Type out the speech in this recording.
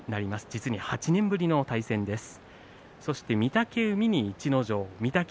実に８年ぶりの対戦です。